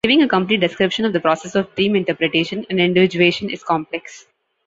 Giving a complete description of the process of dream interpretation and individuation is complex.